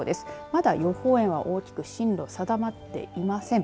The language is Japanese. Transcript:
まだ予報円は大きく進路は定まっていません。